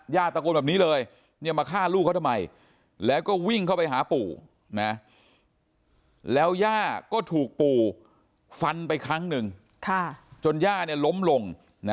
ตะโกนแบบนี้เลยมาฆ่าลูกเขาทำไมแล้วก็วิ่งเข้าไปหาปู่แล้วย่าก็ถูกปู่ฟันไปครั้งหนึ่งจนย่าล้มลง